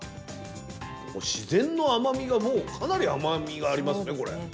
自然の甘みがもうかなり甘みがありますねこれ。